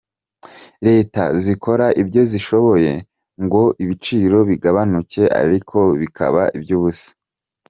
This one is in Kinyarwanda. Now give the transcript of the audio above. Leta zikora ibyo zishoboye ngo ibiciro bigabanyuke ariko bikaba iby’ubusa.